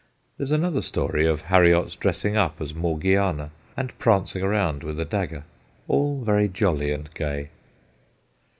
There ; s another story of Harriot's dressing up as Morgiana and prancing about with a dagger. All very jolly and gay.